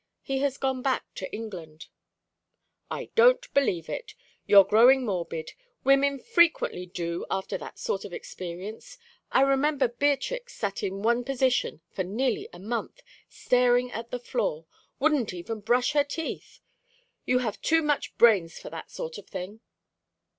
He has gone back to England." "I don't believe it. You're growing morbid. Women frequently do after that sort of experience. I remember Beatrix sat in one position for nearly a month, staring at the floor: wouldn't even brush her teeth. You have too much brains for that sort of thing."